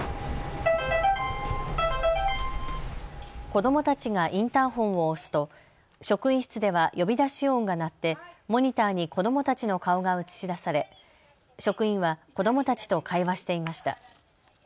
子どもたちがインターホンを押すと職員室では呼び出し音が鳴ってモニターに子どもたちの顔が映し出され職員は子どもたちと会話していました。